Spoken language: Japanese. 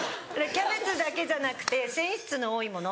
キャベツだけじゃなくて繊維質の多いもの